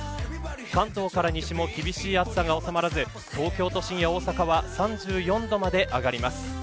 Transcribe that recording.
関東から西も厳しい暑さが収まらず東京都心や大阪は３４度まで上がります。